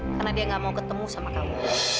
karena dia gak mau ketemu sama kamu